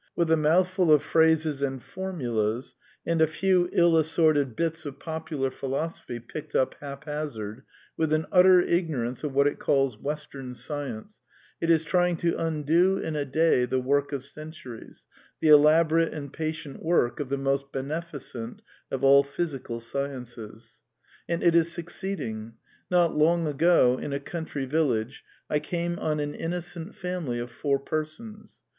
With a mouthful of phrases and formulas, and a few ill assorted bits of popular ^^ phi losophy," picked up haphazard, with an utter ignorance of what it calls " Western Science," it is trying to undo in a day the work of centuries, the elaborate and patient *work of the most beneficent of all physical sciences. And it is succeeding. ITot long ago, in a country vil lage, I came on an innocent family of four persons.